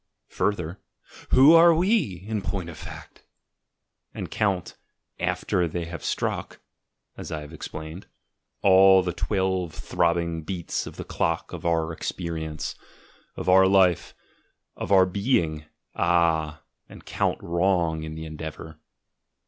further, "Who are we in point of fact?" and count, after they have struck, ii PREFACE as I have explained, all the twelve throbbing beats of the clock of our experience, of our life, of our being — ah! — and count wrong in the endeavour.